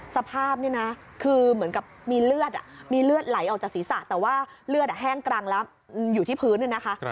สภาพนี่นะคือเหมือนกับมีเลือดมีเลือดไหลออกจากศีรษะแต่ว่าเลือดแห้งกรังแล้วอยู่ที่พื้นเนี่ยนะคะ